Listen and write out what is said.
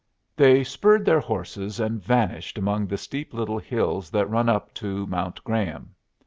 They spurred their horses and vanished among the steep little hills that run up to Mount Graham.